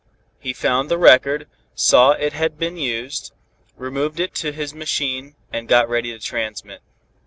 He found the record, saw it had been used, removed it to his machine and got ready to transmit.